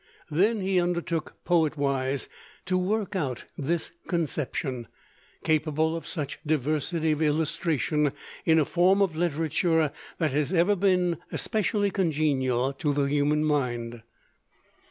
Then he undertook, poet wise, to work out this conception, capable of such diversity of illustration, in a form of literature that has ever been especially congenial to the human mind.